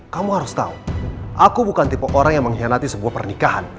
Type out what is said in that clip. kamu harus tahu aku bukan tipe orang yang mengkhianati sebuah pernikahan